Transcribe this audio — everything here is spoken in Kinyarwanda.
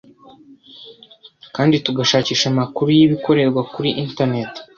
kandi tugashakisha amakuru y'ibikorerwa kuri internet